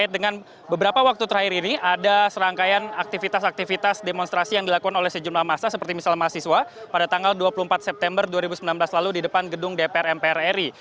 dengan beberapa waktu terakhir ini ada serangkaian aktivitas aktivitas demonstrasi yang dilakukan oleh sejumlah masa seperti misalnya mahasiswa pada tanggal dua puluh empat september dua ribu sembilan belas lalu di depan gedung dpr mpr ri